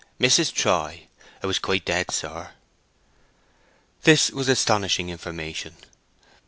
"Mrs. Troy. 'A was quite dead, sir." This was astonishing information.